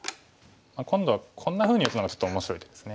今度はこんなふうに打つのがちょっと面白い手です。